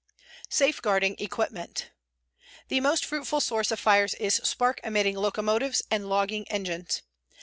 SAFEGUARDING EQUIPMENT The most fruitful source of fires is spark emitting locomotives and logging engines.